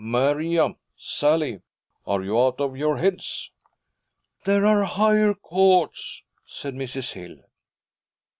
Maria! Sally! Are you out of your heads?' 'There are higher courts,' said Mrs. Hill.